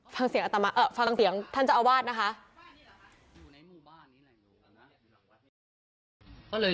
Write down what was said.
ฟังเสียงท่านเจ้าอาวาสนะคะ